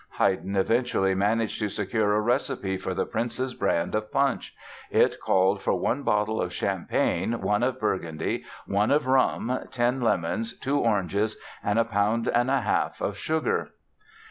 Haydn eventually managed to secure a recipe for the Prince's brand of punch; it called for "one bottle of champagne, one of burgundy, one of rum, ten lemons, two oranges and a pound and a half of sugar."